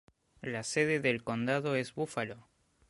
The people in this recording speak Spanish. La sede del condado es Buffalo.